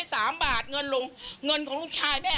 สายไปสามบาท